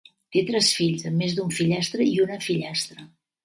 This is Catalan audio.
Té tres fills, a més d'un fillastre i una fillastra.